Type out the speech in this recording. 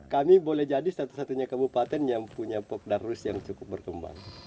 kami boleh jadi satu satunya kabupaten yang punya popdarus yang cukup berkembang